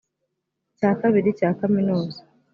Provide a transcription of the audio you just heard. cya kabiri cya kaminuza